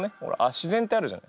自然ってあるじゃない？